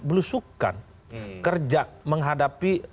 belusukan kerja menghadapi